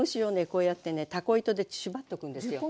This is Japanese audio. こうやってねたこ糸で縛っておくんですよ。